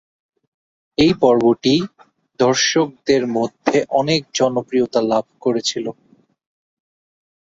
এই পর্বটি দর্শকদের মধ্যে অনেক জনপ্রিয়তা লাভ করেছিল।